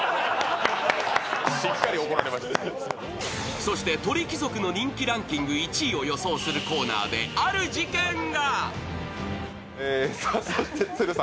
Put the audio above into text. そして鳥貴族の人気ランキング１位を予想するコーナーである事件が。